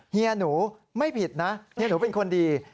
เฮียหนูไม่ผิดนะเฮียหนูเป็นคนดี